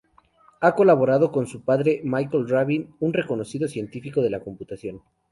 Ha colaborado con su padre, Michael Rabin, un reconocido científico de la computación.